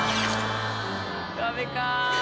ダメか。